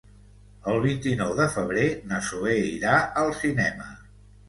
El vint-i-nou de febrer na Zoè irà al cinema.